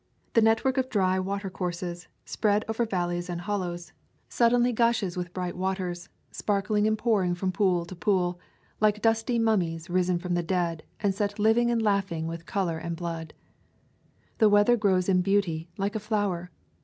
The network of dry water courses, spread over valleys and hollows, [ 203 ] A Thousand Mile Walt suddenly gushes with bright waters, sparkling and pouring from pool to pool, like dusty mummies risen from the dead and set living and laughing with color and blood. The weather grows in beauty, like a flower.